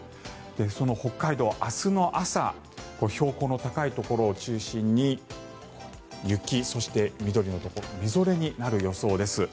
その北海道、明日の朝標高の高いところを中心に雪そして、緑のところみぞれになる予想です。